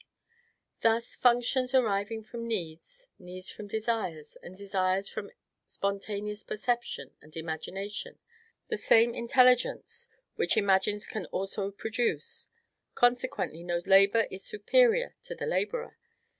Thus, functions arising from needs, needs from desires, and desires from spontaneous perception and imagination, the same intelligence which imagines can also produce; consequently, no labor is superior to the laborer.